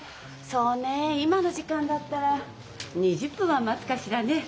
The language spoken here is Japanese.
そうねえ今の時間だったら２０分は待つかしらねえ。